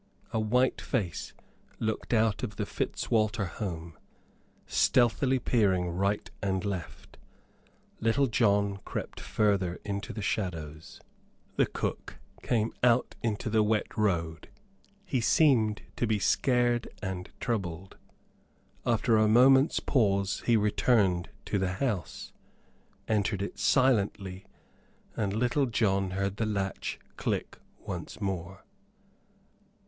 A white face looked out of the Fitzwalter home, stealthily peering right and left. Little John crept farther into the shadows. The cook came out into the wet road. He seemed to be scared and troubled. After a moment's pause he returned to the house, entered it silently, and Little John heard the latch click once more.